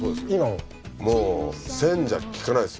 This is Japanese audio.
もう１，０００じゃきかないですよ。